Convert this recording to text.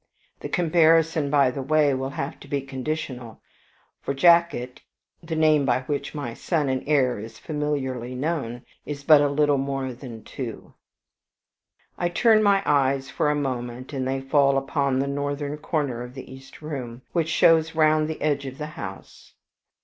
The comparison, by the way, will have to be conditional, for Jacket the name by which my son and heir is familiarly known is but a little more than two. I turn my eyes for a moment, and they fall upon the northern corner of the East Room, which shows round the edge of the house.